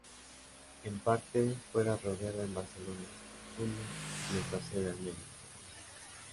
En parte fuera rodada en Barcelona, Osuna y el paseo de Almería.